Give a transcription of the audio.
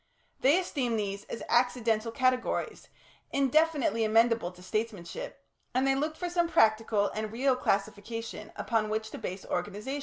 They esteemed these as accidental categories, indefinitely amenable to statesmanship, and they looked for some practical and real classification upon which to base organisation.